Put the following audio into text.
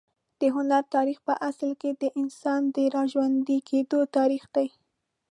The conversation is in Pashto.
د هنر تاریخ په اصل کې د انسان د راژوندي کېدو تاریخ دی.